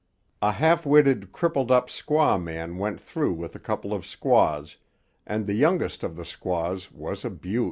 A half witted, crippled up squaw man went through with a couple of squaws, and the youngest of the squaws was a beaut'!